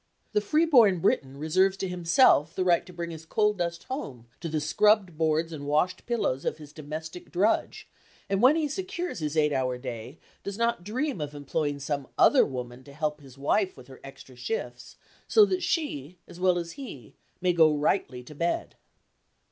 The freeborn Briton reserves to himself the right to bring his coal dust home to the scrubbed boards and washed pillows of his domestic drudge, and when he secures his eight hour day, does not dream of employing some other woman to help his wife with her extra shifts, so that she, as well as he, may go "rightly to bed."